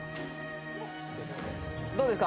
どうですか？